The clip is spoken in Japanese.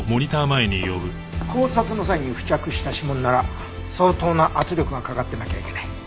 絞殺の際に付着した指紋なら相当な圧力がかかってなきゃいけない。